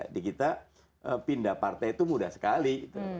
di kita pindah partai itu mudah sekali